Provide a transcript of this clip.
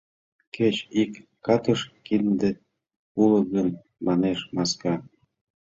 Кеч ик катыш киндет уло гын? — манеш маска.